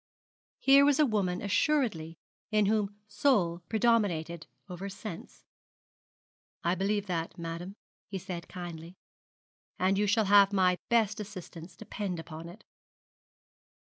Here was a woman assuredly in whom soul predominated over sense. 'I believe that, madam,' he said, kindly; 'and you shall have my best assistance, depend upon it.'